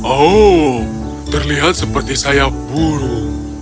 oh terlihat seperti sayap burung